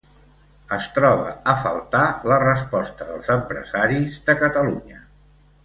Es troba a faltar la resposta dels empresaris de Catalunya.